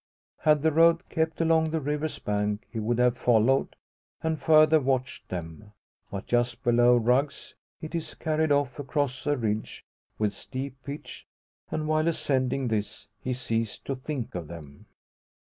Had the road kept along the river's bank he would have followed, and further watched them; but just below Rugg's it is carried off across a ridge, with steep pitch; and while ascending this, he ceased to think of them.